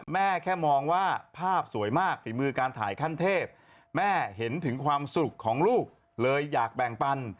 แม่แค่มองว่าภาพสวยมากฝีมือการถ่ายขั้นเทพแม่เห็นถึงความสุขของลูกเลยอยากแบ่งปัน